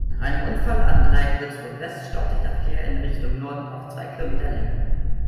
Nach einem Unfall am Dreieck Würzburg-West staut sich der Verkehr in Richtung Norden auf zwei Kilometer Länge.